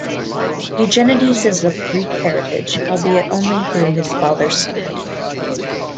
Eugenides is of Greek heritage, albeit only through his father's side.